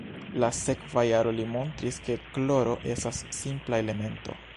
La sekva jaro li montris ke kloro, estas simpla elemento.